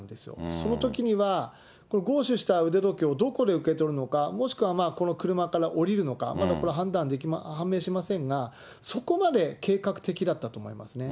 そのときには、強取した腕時計をどこで受け取るのか、もしくはこの車から降りるのか、まだこれ判明しませんが、そこまで計画的だったと思いますね。